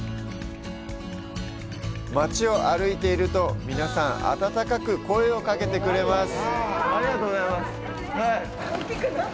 町を歩いていると、皆さん、温かく声をかけてくれます。